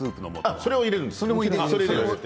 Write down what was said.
それは入れるんです。